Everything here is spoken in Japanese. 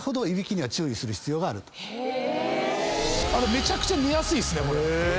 めちゃくちゃ寝やすいっすね。